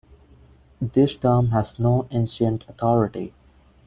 This term has no ancient authority.